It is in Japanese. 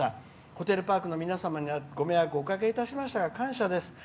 ホテルパークの皆さんにはご迷惑をおかけしましたが感謝です。